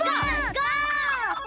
ゴー！